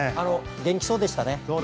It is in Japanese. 元気そうでしたね。